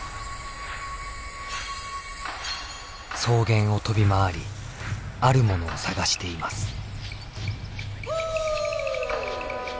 草原を飛び回りあるものを探しています。